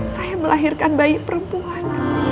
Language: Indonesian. saya melahirkan bayi perempuan